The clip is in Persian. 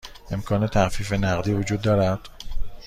امکان تخفیف نقدی وجود دارد؟